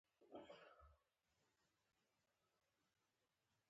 بادرنګ د زړه ناروغیو مخه نیسي.